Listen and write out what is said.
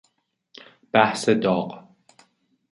بحث داغ